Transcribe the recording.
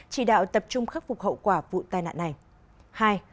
chỉ đạo tập trung khắc phục hậu quả vụ tai nạn này